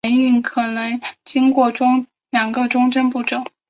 反应可能经过两个中间步骤。